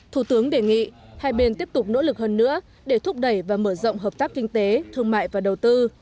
thủ tướng đề nghị hai bên tiếp tục nỗ lực hơn nữa để thúc đẩy và mở rộng hợp tác kinh tế thương mại và đầu tư